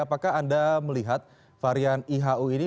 apakah anda melihat varian ihu ini